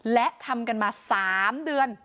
และทำกันมา๓เดือน